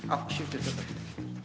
aku syukur cepat